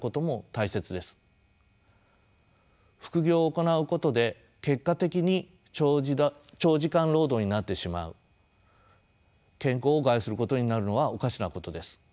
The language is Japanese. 副業を行うことで結果的に長時間労働になってしまう健康を害することになるのはおかしなことです。